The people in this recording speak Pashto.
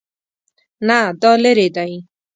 نه، دا لیرې دی